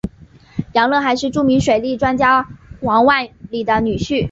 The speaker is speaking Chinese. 杨乐还是著名水利专家黄万里的女婿。